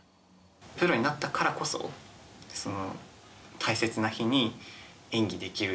プロになったからこそ、大切な日に演技できる。